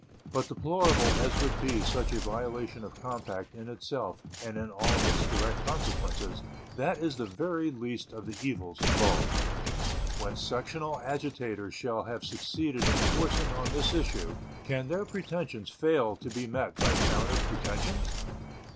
But deplorable as would be such a violation of compact in itself and in all its direct consequences, that is the very least of the evils involved. When sectional agitators shall have succeeded in forcing on this issue, can their pretensions fail to be met by counter pretensions?